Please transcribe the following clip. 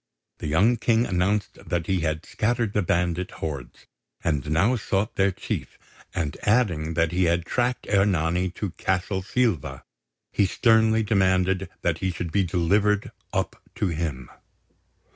The young King announced that he had scattered the bandit hordes, and now sought their chief; and adding that he had tracked Ernani to Castle Silva, he sternly demanded that he should be delivered up to him.